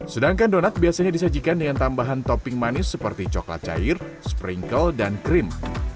sedangkan donat biasanya disajikan dengan tambahan topping manis seperti coklat cair sprinkle dan krim